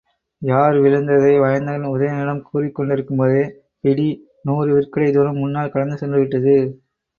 யாழ் விழுந்ததை வயந்தகன் உதயணனிடம் கூறிக் கொண்டிருக்கும்போதே, பிடி நூறு விற்கிடை தூரம் முன்னால் கடந்து சென்றுவிட்டது.